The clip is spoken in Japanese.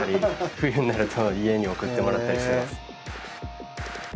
冬になると家に送ってもらったりしてます。